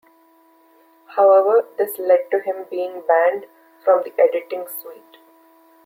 However this led to him being banned from the editing suite.